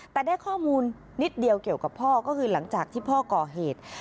แต่ได้ข้อมูลนิดเดียวเกี่ยวกับพ่อก็คือหลังจากที่พ่อก่อเหตุ